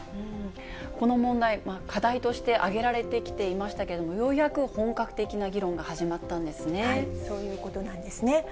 この問題、課題として挙げられてきていましたけれども、ようやく本格的な議そういうことなんですね。